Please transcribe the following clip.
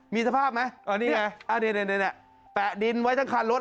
มีสภาพไหมอ๋อนี่ไงอ่านี่นี่นี่นี่แปะดินไว้ทั้งคันรถ